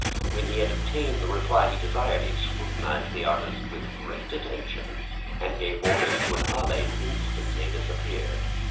When he had obtained the reply he desired he scrutinized the artist with great attention and gave orders to an abbe, who instantly disappeared.